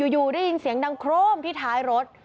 อยู่ได้ยินเสียงดังโครมที่ท้ายรถ